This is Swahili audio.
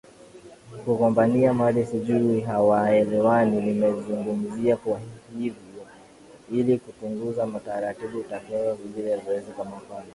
kugombania mali sijui hawaelewani nimezungumza Kwahiyo ili kutunga taarabu unatakiwa lile zoezi kama mfano